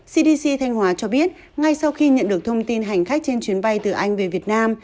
cdc thanh hóa cho biết ngay sau khi nhận được thông tin hành khách trên chuyến bay từ anh về việt nam